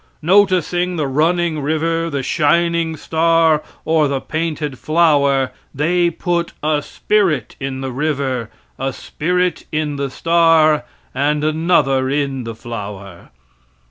Noticing the running river, the shining star, or the painted flower, they put a spirit in the river, a spirit in the star, and another in the flower.